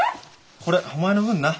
これお前の分な。